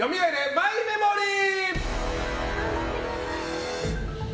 マイメモリー！